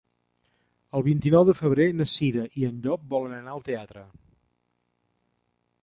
El vint-i-nou de febrer na Cira i en Llop volen anar al teatre.